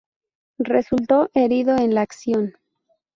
Resultó herido en la acción.